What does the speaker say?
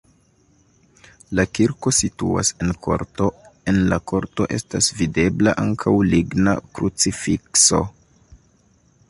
La kirko situas en korto, en la korto estas videbla ankaŭ ligna krucifikso.